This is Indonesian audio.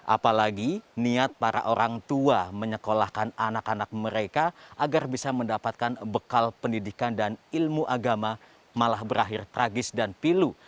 apalagi niat para orang tua menyekolahkan anak anak mereka agar bisa mendapatkan bekal pendidikan dan ilmu agama malah berakhir tragis dan pilu